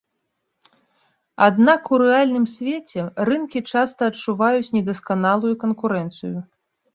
Аднак у рэальным свеце, рынкі часта адчуваюць недасканалую канкурэнцыю.